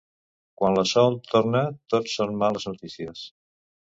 Quan la Sol torna tot són males notícies.